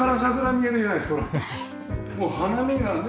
もう花見がね